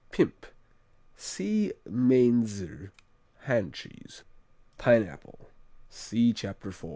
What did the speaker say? Pimp see Mainzer Hand Cheese. Pineapple see Chapter 4.